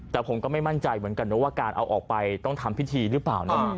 แต่ผมก็ไม่มั่นใจเหมือนกันนะว่าการเอาออกไปต้องทำพิธีหรือเปล่านะ